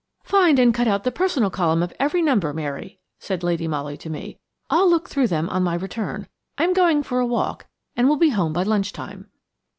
"Find and cut out the 'Personal' column of every number, Mary," said Lady Molly to me. "I'll look through them on my return. I am going for a walk, and will be home by lunch time."